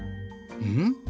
うん？